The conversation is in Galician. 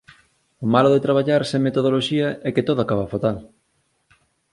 O malo de traballar sen metodoloxía é que todo acaba fatal